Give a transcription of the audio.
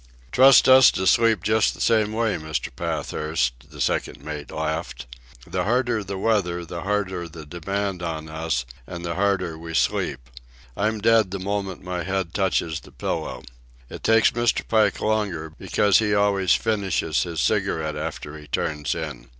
"Trust us to sleep just the same way, Mr. Pathurst," the second mate laughed. "The harder the weather the harder the demand on us, and the harder we sleep. I'm dead the moment my head touches the pillow. It takes Mr. Pike longer, because he always finishes his cigarette after he turns in.